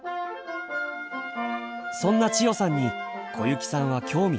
そんな千代さんに小雪さんは興味津々。